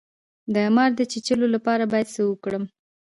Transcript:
د مار د چیچلو لپاره باید څه وکړم؟